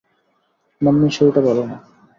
মাম্মির শরীরটা ভালো না!